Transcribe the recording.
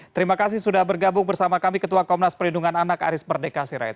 terima kasih sudah bergabung bersama kami ketua komnas perlindungan anak aris merdeka sirait